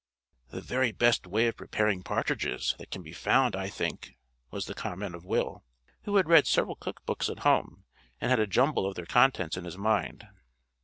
"The very best way of preparing partridges that can be found, I think," was the comment of Will, who had read several cook books at home and had a jumble of their contents in his mind.